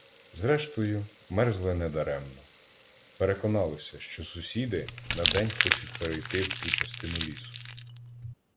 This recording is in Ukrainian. Зрештою, мерзли недаремно: переконалися, що "сусіди" на день хочуть перейти в ту частину лісу.